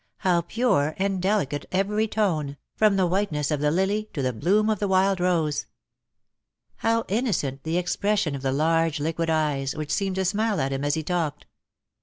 How pure and delicate every tone, from the whiteness of the lily to the bloom of the wild rose ! How innocent the cxprcs 74 ^'tintaqel, half in sea, axd half ox land. sion of the large liquid eyes^ which seemed to smile at him as he talked